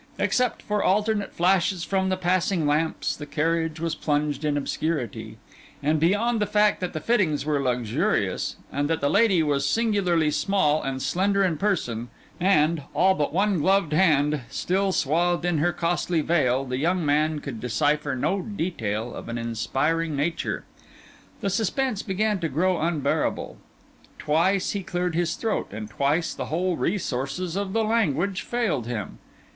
Except for alternate flashes from the passing lamps, the carriage was plunged in obscurity; and beyond the fact that the fittings were luxurious, and that the lady was singularly small and slender in person, and, all but one gloved hand, still swathed in her costly veil, the young man could decipher no detail of an inspiring nature. The suspense began to grow unbearable. Twice he cleared his throat, and twice the whole resources of the language failed him.